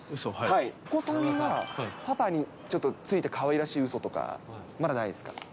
お子さんがパパにちょっとついた、かわいらしいうそとか、まだないですか。